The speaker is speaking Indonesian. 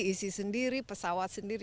isi sendiri pesawat sendiri